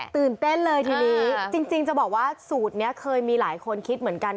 ตื่นเต้นเลยทีนี้จริงจะบอกว่าสูตรนี้เคยมีหลายคนคิดเหมือนกัน